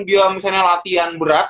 bila misalnya latihan berat